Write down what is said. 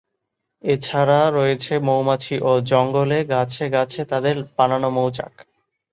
এছাড়া রয়েছে মৌমাছি ও জঙ্গলে গাছে গাছে তাদের বানানো মৌচাক।